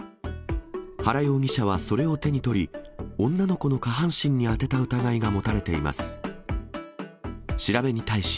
原容疑者はそれを手に取り、女の子の下半身にあてた疑いが持たれています。